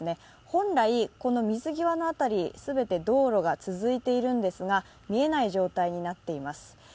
本来、この水際の辺り、全て道路が続いているんですが、見えない状態になっています。